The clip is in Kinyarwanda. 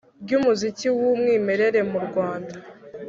ry’umuziki w’umwimerere mu rwanda.